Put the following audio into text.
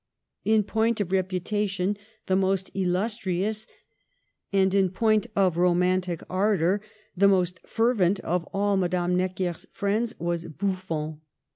In point of reputation the most illustrious, and in point of romantic ardor the most fervent, of all Madame Necker* s friends, was Buffon.